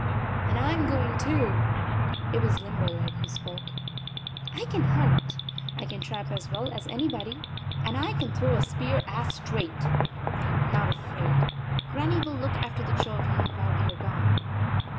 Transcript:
40 "Then I am going, too." It was Limber leg who spoke. " I can hunt. I can trap as well as anybody. And I can throw a spear as straight. I am not afraid. Grannie will look after the children while we are gone."